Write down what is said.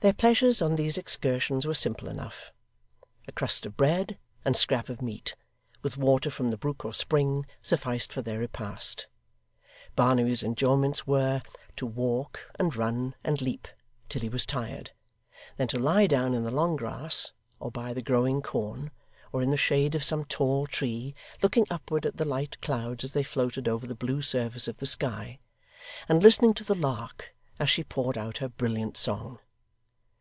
Their pleasures on these excursions were simple enough. A crust of bread and scrap of meat, with water from the brook or spring, sufficed for their repast. Barnaby's enjoyments were, to walk, and run, and leap, till he was tired; then to lie down in the long grass, or by the growing corn, or in the shade of some tall tree, looking upward at the light clouds as they floated over the blue surface of the sky, and listening to the lark as she poured out her brilliant song.